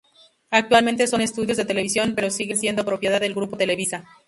Actualmente son estudios de televisión, pero siguen siendo propiedad del Grupo Televisa.